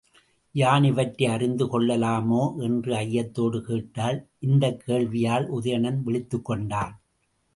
யான் இவற்றை அறிந்து கொள்ளலாமோ? என்று ஐயத்தோடு கேட்டாள், இந்தக் கேள்விகளால் உதயணன் விழித்துக்கொண்டான்.